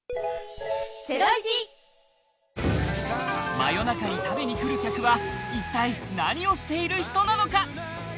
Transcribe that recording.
真夜中に食べに来る客は一体何をしている人なのか？